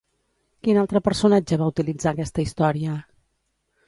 Quin altre personatge va utilitzar aquesta història?